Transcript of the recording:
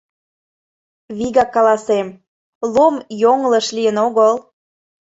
Вигак каласем: Лом йоҥылыш лийын огыл.